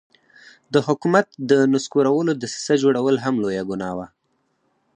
د حکومت د نسکورولو دسیسه جوړول هم لویه ګناه وه.